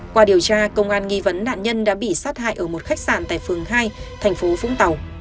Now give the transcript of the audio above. qua điều tra công an nghi vấn nạn nhân đã bị sát hại ở một khách sạn tại phường hai thành phố vũng tàu